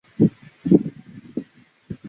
关嘉禄生于北京。